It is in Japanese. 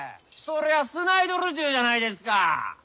そりゃあスナイドル銃じゃないですか！